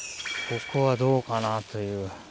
ここはどうかなという。